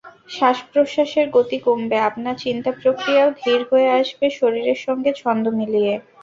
শ্বাস-প্রশ্বাসের গতি কমবে, আপনার চিন্তাপ্রক্রিয়াও ধীর হয়ে আসবে শরীরের সঙ্গে ছন্দ মিলিয়ে।